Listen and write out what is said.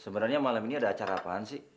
sebenarnya malam ini ada acara apaan sih